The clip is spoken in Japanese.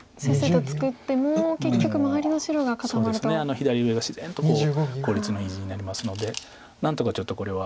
左上が自然と効率のいい地になりますので何とかちょっとこれは。